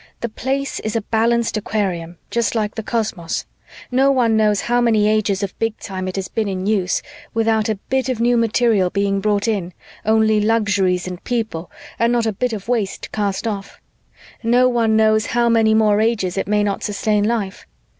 The Place is a balanced aquarium, just like the cosmos. No one knows how many ages of Big Time it has been in use, without a bit of new material being brought in only luxuries and people and not a bit of waste cast off. No one knows how many more ages it may not sustain life.